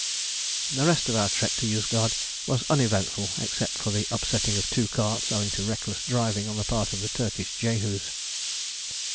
The rest of our trek to Yozgad was uneventful except for the upsetting of two carts, owing to reckless driving on the part of the Turkish Jehus.